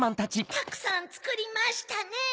たくさんつくりましたね。